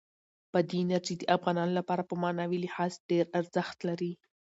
بادي انرژي د افغانانو لپاره په معنوي لحاظ ډېر ارزښت لري.